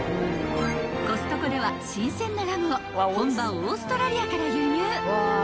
［コストコでは新鮮なラムを本場オーストラリアから輸入］